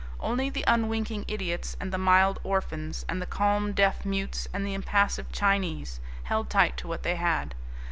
Only the unwinking Idiots, and the mild Orphans, and the calm Deaf mutes and the impassive Chinese held tight to what they had.